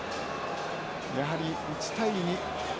やはり１対２。